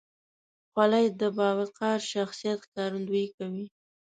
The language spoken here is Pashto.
خولۍ د باوقاره شخصیت ښکارندویي کوي.